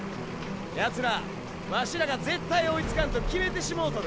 ヤツらワシらが絶対追いつかんと決めてしもうとる。